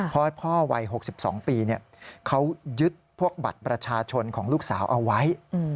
เพราะให้พ่อวัย๖๒ปีเขายึดพวกบัตรประชาชนของลูกสาวเอาไว้